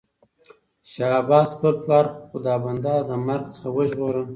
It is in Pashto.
شاه عباس خپل پلار خدابنده له مرګ څخه وژغوره.